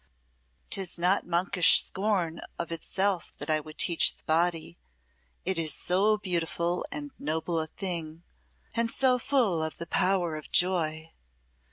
'Tis not monkish scorn of itself that I would teach the body; it is so beautiful and noble a thing, and so full of the power of joy.